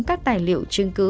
các tài liệu chứng cứ